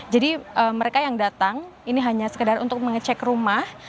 jadi mereka yang datang ini hanya sekedar untuk mengecek rumah